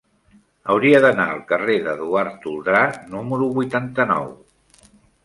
Hauria d'anar al carrer d'Eduard Toldrà número vuitanta-nou.